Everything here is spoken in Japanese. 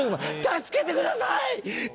助けてください！」